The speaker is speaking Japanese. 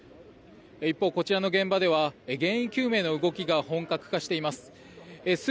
一方、こちらの現場では原因究明の動きが本格化しています。